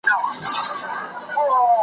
له کلونو پکښي کور د لوی تور مار وو .